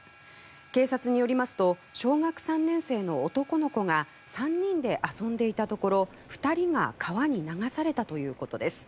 警察によりますと小学３年生の男の子が３人で遊んでいたところ２人が川に流されたということです。